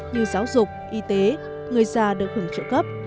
như giáo dục y tế người già được hưởng trợ cấp